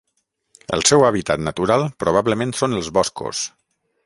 El seu hàbitat natural probablement són els boscos.